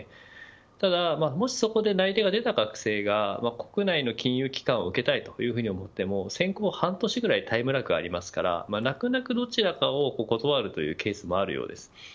ただ、もしそこで内定が出た学生が国内の金融機関を受けたいというふうに思っても選考半年くらいタイムラグがありますから泣く泣くどちらかを断るというケースもあるようです。